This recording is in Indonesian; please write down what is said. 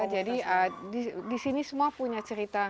jadi di sini semua punya cerita